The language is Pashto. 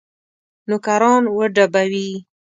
نوکران وډبوي.